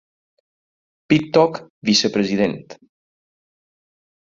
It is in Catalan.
Pittock, vicepresident.